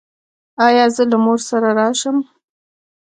ایا زه له مور سره راشم؟